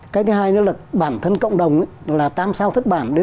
cái thứ hai nữa là bản thân cộng đồng là tam sao thất bản